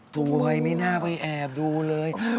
ทำไมไม่น่าไปแอบดูเลย